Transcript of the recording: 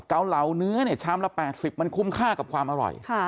เกาเหลาเนื้อเนี่ยชามละ๘๐มันคุ้มค่ากับความอร่อย